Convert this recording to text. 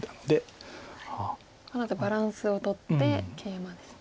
なのでバランスをとってケイマですね。